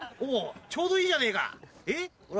ちょうどいいじゃねえかえっほら。